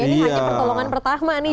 ini hanya pertolongan pertama nih